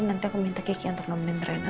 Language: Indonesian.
nanti aku minta kiki untuk nomelin rena